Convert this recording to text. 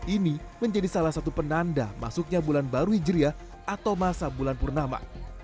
ini menjadi salah satu penanda masuknya bulan baru hijriah atau masa bulan purnama